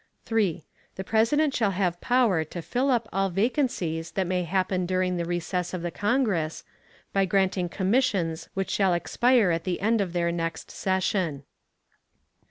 3. The President shall have power to fill up all vacancies that may happen during the recess of the Congress, by granting commissions which shall expire at the end of their next session.